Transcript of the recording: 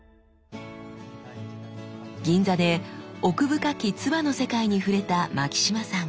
銀座で奥深き鐔の世界に触れた牧島さん。